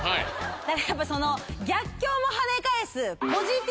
だからやっぱその逆境もはね返す。